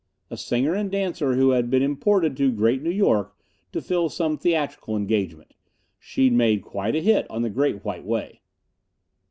A singer and dancer who had been imported to Great New York to fill some theatrical engagement. She'd made quite a hit on the Great White Way.